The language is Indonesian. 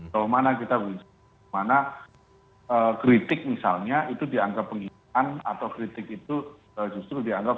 kemana kita mana kritik misalnya itu dianggap penghinaan atau kritik itu justru dianggap